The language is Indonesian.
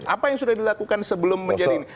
apa yang sudah dilakukan sebelum menjadi